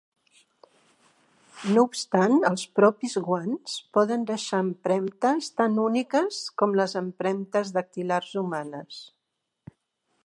No obstant, els propis guants poden deixar empremtes tan úniques com les empremtes dactilars humanes.